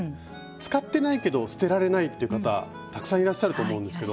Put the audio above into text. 使ってないけど捨てられないっていう方たくさんいらっしゃると思うんですけど。